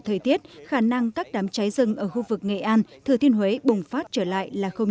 thời tiết khả năng các đám cháy rừng ở khu vực nghệ an thừa thiên huế bùng phát trở lại là không